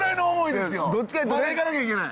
まだ行かなきゃいけない。